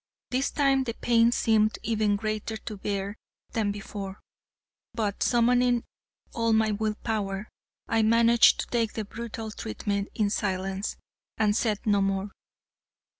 This time the pain seemed even greater to bear than before, but, summoning all my will power, I managed to take the brutal treatment in silence, and said no more.